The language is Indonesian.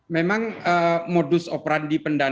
memang modus operandi pendanaan